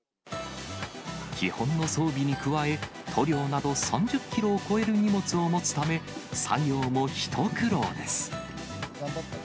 基本の装備に加え、塗料など３０キロを超える荷物を持つため、作業も一苦労です。